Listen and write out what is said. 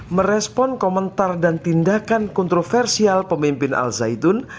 merespon komentar dan tindakan kontroversial pemimpin al zaitun